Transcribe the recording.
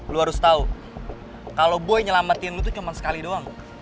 lo harus tau kalo boy nyelamatin lo itu cuma sekali doang